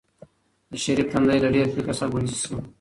د شریف تندی له ډېر فکر څخه ګونځې شو.